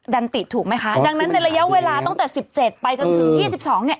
ดันติดถูกไหมคะดังนั้นในระยะเวลาตั้งแต่๑๗ไปจนถึงยี่สิบสองเนี่ย